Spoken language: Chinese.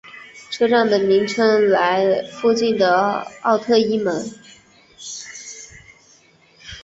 车站的名称来附近的奥特伊门。